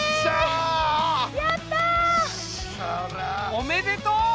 おめでとう！